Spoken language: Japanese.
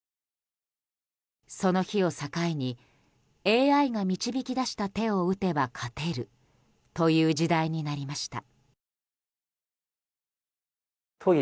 その日を境にＡＩが導き出した手を打てば勝てるという時代になりました。